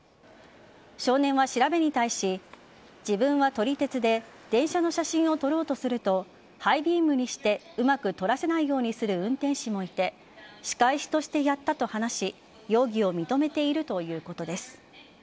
少年は調べに対し自分は撮り鉄で電車の写真を撮ろうとするとハイビームにしてうまく撮らせないようにする運転士もいて仕返しとしてやったと話し容疑を認めているということです。